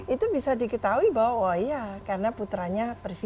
itu bisa diketahui bahwa oh iya karena putranya presiden